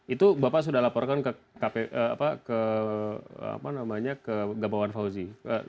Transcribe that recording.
itu bapak sudah laporkan ke gamawan fauzi